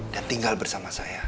dan tinggal bersama saya